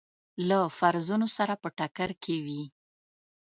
له فرضونو سره په ټکر کې وي.